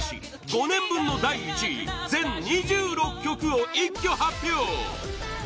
５年分の第１位全２６曲を一挙発表！